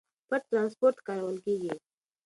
پټ ترانسپورت کارول کېږي.